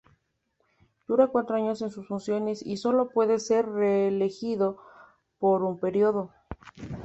Dura cuatro años en sus funciones, y sólo puede ser reelegido por un período.